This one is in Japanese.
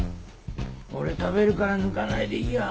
俺食べるから抜かないでいいや。